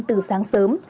từ sáng sớm